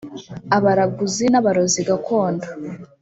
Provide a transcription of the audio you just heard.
abaraguzi n’abarozi gakondo